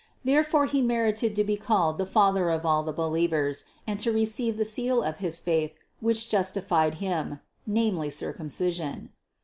Therefore he merited to be called the Father of all the believers and to receive the seal of his faith which justi fied him, namely circumcision.